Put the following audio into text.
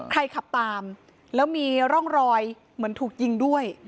ขับตามแล้วมีร่องรอยเหมือนถูกยิงด้วย